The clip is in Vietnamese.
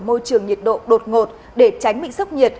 môi trường nhiệt độ đột ngột để tránh bị sốc nhiệt